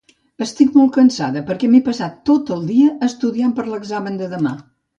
Estic molt cansada perquè m'he passat tot el dia estudiant per l'examen de demà.